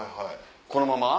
このまま？